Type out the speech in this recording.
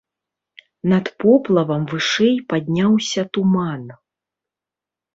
Над поплавам вышэй падняўся туман.